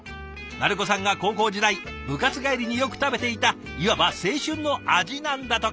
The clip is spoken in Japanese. なるこさんが高校時代部活帰りによく食べていたいわば青春の味なんだとか。